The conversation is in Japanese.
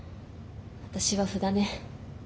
私は歩だね。